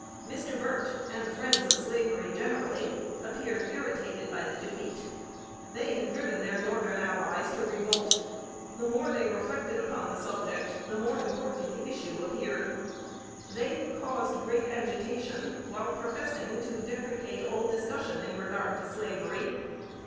Mr. Burt, and the friends of slavery generally, appeared irritated by defeat. They had driven their Northern allies to revolt. The more they reflected upon the subject, the more important the issue appeared. They had caused great agitation, while professing to deprecate all discussion in regard to slavery.